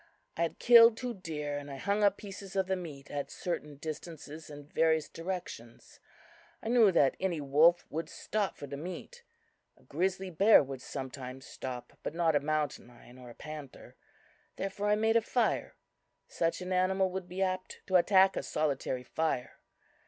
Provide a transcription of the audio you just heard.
I had killed two deer, and I hung up pieces of the meat at certain distances in various directions. I knew that any wolf would stop for the meat, A grizzly bear would sometimes stop, but not a mountain lion or a panther. Therefore I made a fire. Such an animal would be apt to attack a solitary fire.